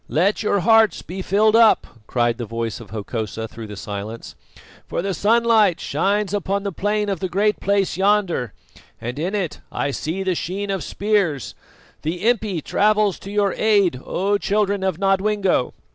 "Let your hearts be filled up!" cried the voice of Hokosa through the silence; "for the sunlight shines upon the plain of the Great Place yonder, and in it I see the sheen of spears. The impi travels to your aid, O children of Nodwengo."